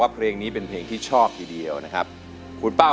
พี่เป้าค่ะ